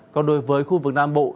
còn đối với khu vực nam bộ